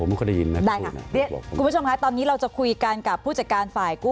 อ่าอ่านสักครู่ค่ะ